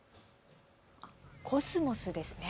コスモスですね。